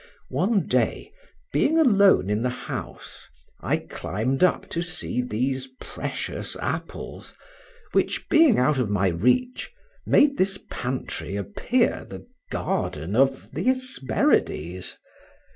One day, being alone in the house, I climbed up to see these precious apples, which being out of my reach, made this pantry appear the garden of Hesperides.